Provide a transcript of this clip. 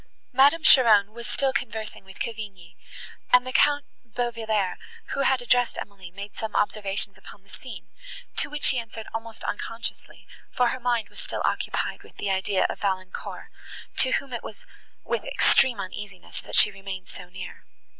Madame Cheron was still conversing with Cavigni; and the Count Bauvillers, who had addressed Emily, made some observations upon the scene, to which she answered almost unconsciously, for her mind was still occupied with the idea of Valancourt, to whom it was with extreme uneasiness that she remained so near.